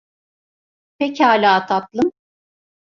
Pekala tatlım.